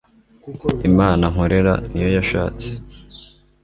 imana nkorera niyo yashatse